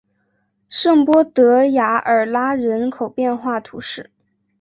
圣波德雅尔拉人口变化图示